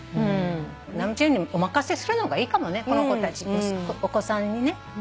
直美ちゃん言うようにお任せするのがいいかもねこの子たちお子さんにね。